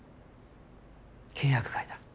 契約外だ。